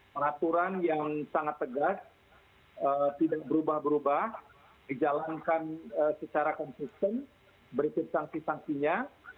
peraturan yang sangat tegas tidak berubah berubah dijalankan secara konsisten berikut sanksi sanksinya